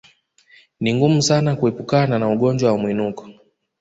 Ni ngumu sana kuepukana na ugonjwa wa mwinuko